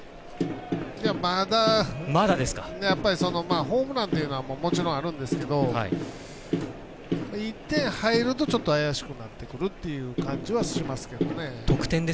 まだホームランというのはもちろんあるんですけど１点入るとちょっと怪しくなってくるという感じはしますけどね。